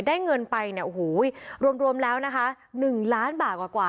ได้เงินไปเนี่ยโอ้โหรวมแล้วนะคะ๑ล้านบาทกว่า